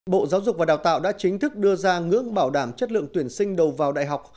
bộ giáo dục và đào tạo đã chính thức đưa ra ngưỡng bảo đảm chất lượng tuyển sinh đầu vào đại học